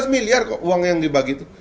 empat belas miliar kok uang yang dibagi itu